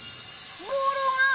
ボールが！